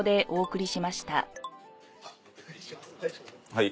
はい。